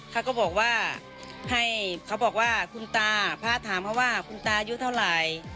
เขาก็บอกว่าของตราอยุ่เท่าไหร่